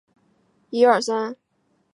这表明利特维年科被人下毒。